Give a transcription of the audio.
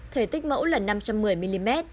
thể tích mẫu là năm trăm một mươi mm